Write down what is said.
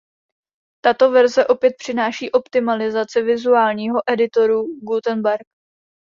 Tato verze opět přináší optimalizaci vizuálního editoru Gutenberg.